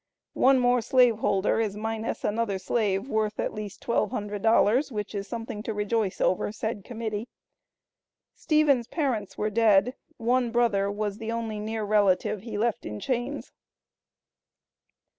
"One more slave holder is minus another slave worth at least $1200, which is something to rejoice over," said Committee. Stephen's parents were dead; one brother was the only near relative he left in chains.